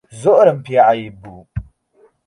زۆرم پێ عەیب بوو